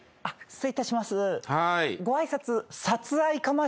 失礼いたします。